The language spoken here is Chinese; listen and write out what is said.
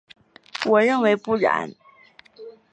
我认为不然。